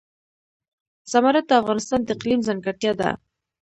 زمرد د افغانستان د اقلیم ځانګړتیا ده.